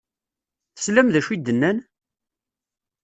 Teslam d acu i d-nnan?